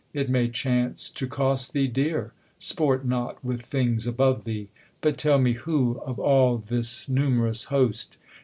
it may chance To cost thee dear. Sport not with things above thee : But tell me who, of all this num'rous host.